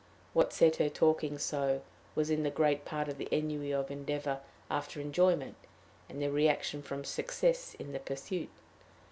What set her talking so, was in great part the ennui of endeavor after enjoyment, and the reaction from success in the pursuit.